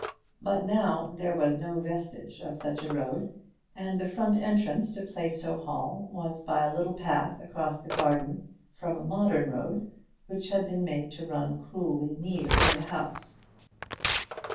But now there was no vestige of such road, and the front entrance to Plaistow Hall was by a little path across the garden from a modern road which had been made to run cruelly near to the house.